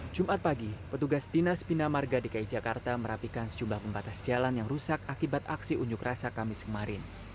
jumat pagi petugas dinas bina marga dki jakarta merapikan sejumlah pembatas jalan yang rusak akibat aksi unjuk rasa kamis kemarin